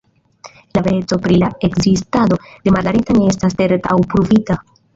La vereco pri la ekzistado de Margareta ne estas certa aŭ pruvita.